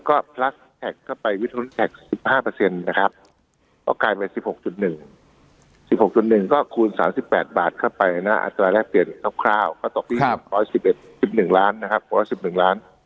ก็กลายไปสิบหกจุดหนึ่งสิบหกจุดหนึ่ง